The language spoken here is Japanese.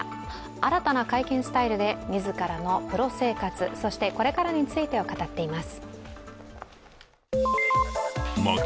新たな会見スタイルで自らのプロ生活、そしてこれからについてを語っています。